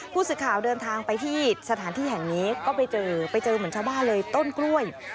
ผู้สื่อข่าวเดินทางไปที่สถานที่แห่งนี้ก็ไปเจอไปเจอเหมือนชาวบ้านเลยต้นกล้วย